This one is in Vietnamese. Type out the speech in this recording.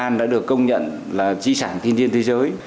ninh hải đã được công nhận là trí sản thiên nhiên thế giới